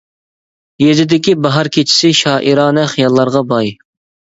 يېزىدىكى باھار كېچىسى، شائىرانە خىياللارغا باي.